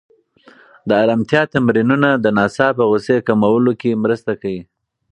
د ارامتیا تمرینونه د ناڅاپه غوسې کمولو کې مرسته کوي.